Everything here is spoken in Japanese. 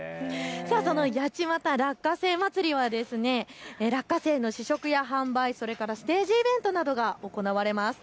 その、やちまた落花生まつりは落花生の試食や販売、それからステージイベントなどが行われます。